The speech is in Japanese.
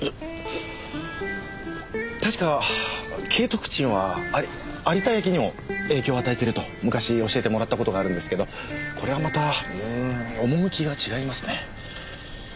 確か景徳鎮はあり有田焼にも影響を与えてると昔教えてもらった事があるんですけどこれはまたうん趣が違いますね。